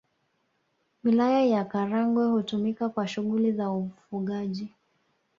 Wilaya ya Karagwe hutumika kwa shughuli za ufugaji